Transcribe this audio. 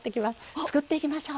作っていきましょう。